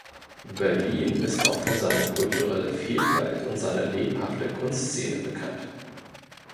Berlin ist auch für seine kulturelle Vielfalt und seine lebhafte Kunstszene bekannt.